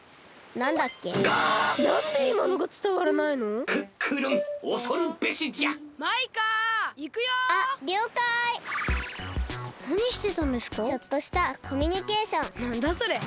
なんだそれ？